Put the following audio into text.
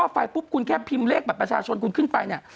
ไฟปุ๊บคุณแค่พิมพ์เลขบัตรประชาชนคุณขึ้นไปเนี่ย